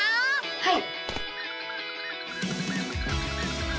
はい！